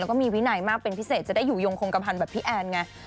แล้วก็มีวินัยมากเป็นพิเศษจะได้อยู่ยงคงกระพันธ์แบบพี่แอนไง